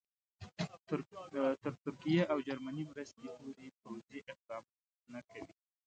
تر ترکیې او جرمني مرستې پورې پوځي اقدام نه کوي.